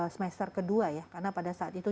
semester ke dua ya karena pada saat itu